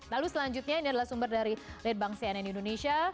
lalu selanjutnya ini adalah sumber dari ledbang cnn indonesia